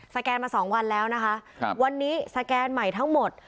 แกนมาสองวันแล้วนะคะครับวันนี้สแกนใหม่ทั้งหมด